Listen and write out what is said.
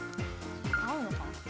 合うのかな？